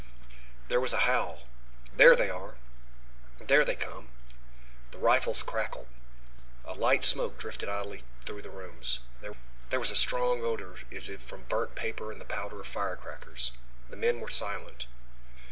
There was a howl. "There they are! There they come!" The rifles crackled. A light smoke drifted idly through the rooms. There was a strong odor as if from burnt paper and the powder of firecrackers. The men were silent.